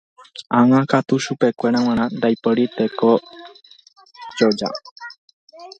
Ág̃a katu chupekuéra g̃uarã ndaipóri tekojoja.